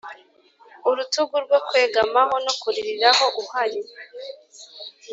urutugu rwo kwegamaho no kuririraho uhari,